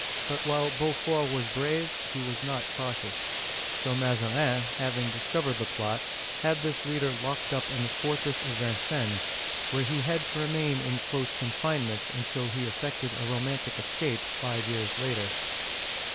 But while Beau fort was brave, he was not cautious. So Mazarin, having discovered the plot, had this leader locked up in the fortress of Vincennes, where he had to remain in close Digitized by Google LOUIS XIV. (1643 1715) 319 confinement until he effected a romantic escape five years later.